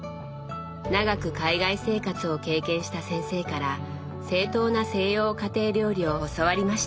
長く海外生活を経験した先生から正統な西洋家庭料理を教わりました。